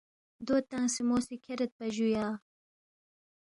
دو تنگسے مو سی کھیریدپا جُویا